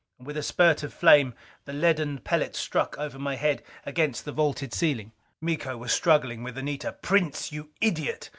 With a spurt of flame the leaden pellet struck over my head against the vaulted ceiling. Miko was struggling with Anita. "Prince, you idiot!"